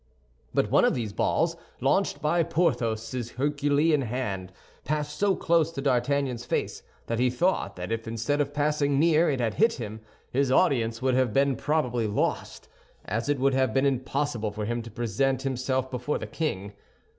But one of these balls, launched by Porthos' herculean hand, passed so close to D'Artagnan's face that he thought that if, instead of passing near, it had hit him, his audience would have been probably lost, as it would have been impossible for him to present himself before the king.